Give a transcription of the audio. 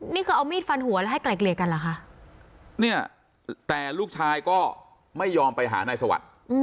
นี่คือเอามีดฟันหัวแล้วให้ไกลเกลียดกันเหรอคะเนี่ยแต่ลูกชายก็ไม่ยอมไปหานายสวัสดิ์